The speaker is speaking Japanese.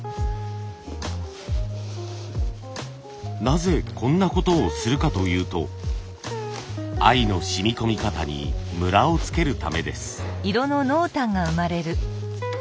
なぜこんなことをするかというと藍のしみこみ方にむらをつけるためです。